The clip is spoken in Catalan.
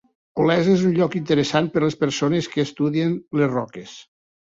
Olesa és un lloc interessant per les persones que estudien les roques.